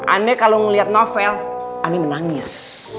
ane kalau ngeliat novel ane menangis